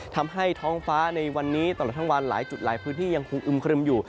ทำให้ท้องฟ้าในวันนี้ตลอดทั้งวันหลายจุดหลายพื้นที่ยังคงอึมครึมอยู่